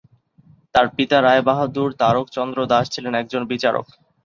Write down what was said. তাঁর পিতা রায় বাহাদুর তারক চন্দ্র দাশ ছিলেন একজন বিচারক।